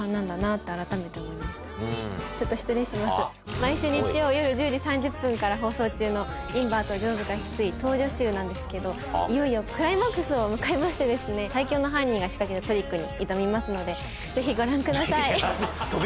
毎週日曜夜１０時３０分から放送中の『ｉｎｖｅｒｔ城塚翡翠倒叙集』なんですけどいよいよクライマックスを迎えまして最強の犯人が仕掛けたトリックに挑みますのでぜひご覧ください。